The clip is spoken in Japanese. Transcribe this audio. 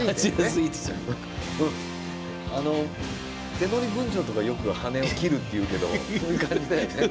手乗り文鳥とかよく羽を切るっていうけどそういう感じだよね。